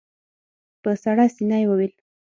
په سړه سينه يې وويل.